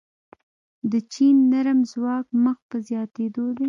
د چین نرم ځواک مخ په زیاتیدو دی.